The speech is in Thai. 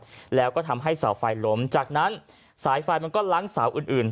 แล้วก็ทำให้เสาไฟล้มจากนั้นสายไฟมันก็ล้างเสาอื่นอื่น